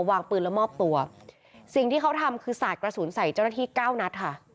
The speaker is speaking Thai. วางปืนแล้วมอบตัวสิ่งที่เขาทำคือสาดกระสุนใส่เจ้าหน้าที่เก้านัดค่ะ